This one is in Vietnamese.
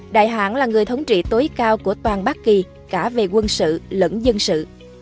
đại hãng là người thống trị tối cao của toàn bác kỳ cả về quân sự lẫn dân sự